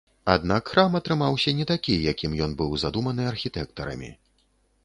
Аднак храм атрымаўся не такі, якім ён быў задуманы архітэктарамі.